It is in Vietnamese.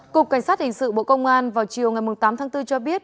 cục cảnh sát hình sự bộ công an vào chiều ngày tám tháng bốn cho biết